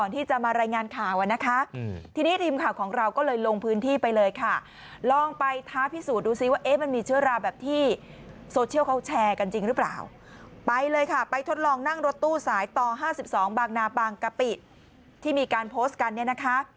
ต่อห้าสิบสองบางนาบางกะปิดที่มีการโพสต์กันเนี่ยนะคะ